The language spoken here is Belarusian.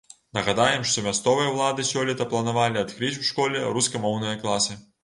Нагадаем, што мясцовыя ўлады сёлета планавалі адкрыць у школе рускамоўныя класы.